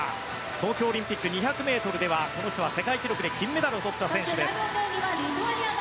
東京オリンピック２００ｍではこの人は世界水泳で銀メダルをとった選手です。